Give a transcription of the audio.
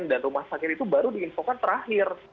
dan rumah sakit itu baru diinfokan terakhir